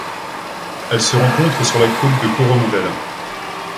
Elle se rencontre sur la côte de Coromandel.